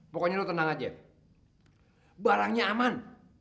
pokoknya lo tenang aja barangnya aman